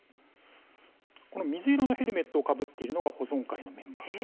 水色のヘルメットをかぶっているのが保存会のメンバー。